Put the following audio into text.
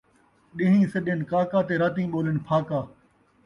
ݙین٘ہیں سݙن کاکا تے راتیں ٻولن پھاکا